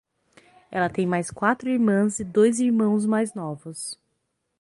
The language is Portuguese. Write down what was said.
Ela tem mais quatro irmãs e dois irmãos mais novos.